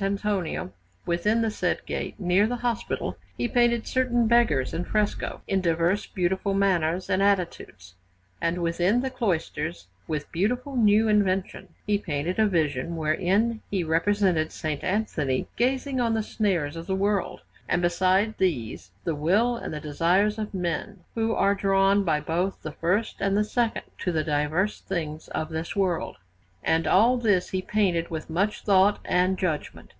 Antonio within the said gate, near the hospital, he painted certain beggars in fresco, in diverse beautiful manners and attitudes; and within the cloisters, with beautiful and new invention, he painted a vision wherein he represented S. Anthony gazing on the snares of the world, and beside these the will and the desires of men, who are drawn by both the first and the second to the diverse things of this world; and all this he painted with much thought and judgment.